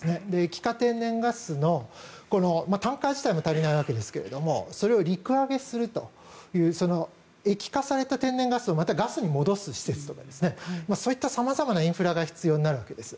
液化天然ガスのタンカー自体も足りないわけですがそれを陸揚げするという液化された天然ガスをまたガスに戻す施設ですとかそういった様々なインフラが必要になるわけです。